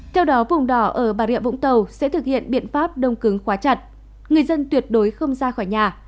theo đó vùng đỏ ở bà rịa vũng tàu sẽ thực hiện biện pháp đông cứng khóa chặt người dân tuyệt đối không ra khỏi nhà